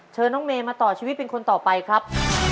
เชิญน้องเมย์มาต่อชีวิตเป็นคนต่อไปครับ